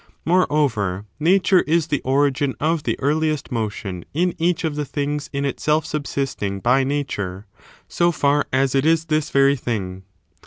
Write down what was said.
Moreover, Nature ^ is the origin of the ^ earliest motion in each of the things in itself subsisting by Nature, so far as it is this very thing.